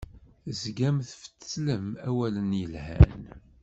Tezgam tfettlem awalen yelhan.